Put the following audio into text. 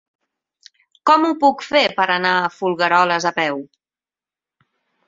Com ho puc fer per anar a Folgueroles a peu?